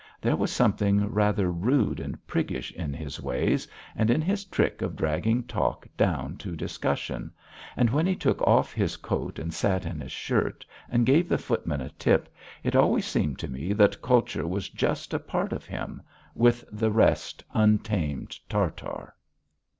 There was something rather rude and priggish in his ways and in his trick of dragging talk down to discussion, and when he took off his coat and sat in his shirt and gave the footman a tip, it always seemed to me that culture was just a part of him, with the rest untamed Tartar.